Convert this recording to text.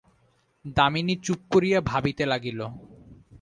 দামিনী চুপ করিয়া ভাবিতে লাগিল।